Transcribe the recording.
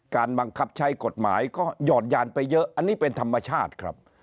บังคับใช้กฎหมายก็หยอดยานไปเยอะอันนี้เป็นธรรมชาติครับ